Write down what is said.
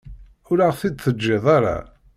Ur aɣ-t-id-teǧǧiḍ ara.